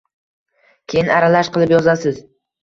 Keyin aralash qilib yozasiz